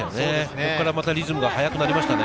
ここからまたリズムが速くなりましたね。